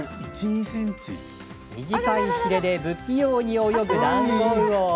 短いひれで不器用に泳ぐダンゴウオ。